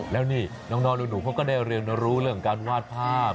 แล้วนี่น้องหนูเขาก็ได้เรียนรู้เรื่องการวาดภาพ